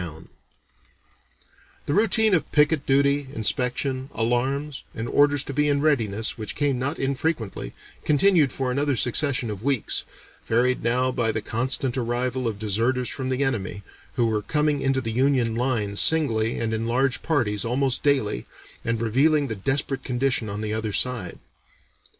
[Illustration: Colonel Hubbard] The routine of picket duty, inspection, alarms, and orders to be in readiness which came not infrequently, continued for another succession of weeks, varied now by the constant arrival of deserters from the enemy, who were coming into the Union lines singly and in large parties almost daily, and revealing the desperate condition on the other side.